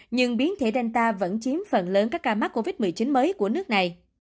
nhưng biến thể danta vẫn chiếm phần lớn các ca mắc covid một mươi chín mới của nước này